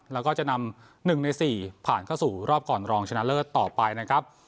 แล้วก็จะนำ๑ใน๔ผ่านเข้าสู่รอบก่อนรองชนะเลิศต่อไปนะครับ